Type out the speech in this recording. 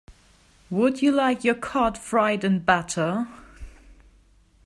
Would you like your cod fried in batter?